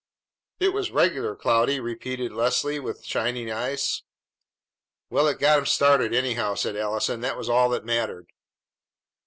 "It was regular, Cloudy!" repeated Leslie with shining eyes. "Well, it got 'em started, anyhow," said Allison. "That was all that mattered."